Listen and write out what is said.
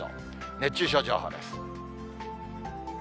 熱中症情報です。